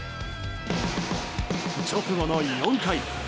直後の４回。